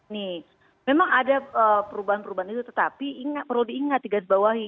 nih memang ada perubahan perubahan itu tetapi perlu diingat dikasih bawahi